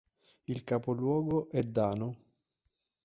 Il capoluogo è Dano.